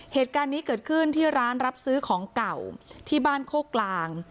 เหตุการณ์นี้เกิดขึ้นที่ร้านรับซื้อของเก่าที่บ้านโคกกลาง